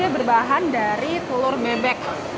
mie ini berbahan dari telur mebek